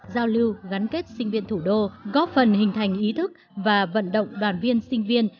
giao lưu gắn kết sinh viên thủ đô góp phần hình thành ý thức và vận động đoàn viên sinh viên